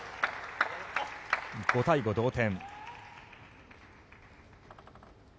５対５、同点。